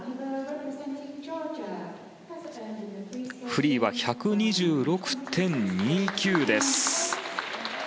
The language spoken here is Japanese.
フリーは１２６．２９です。